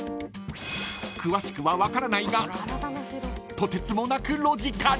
［詳しくは分からないがとてつもなくロジカル］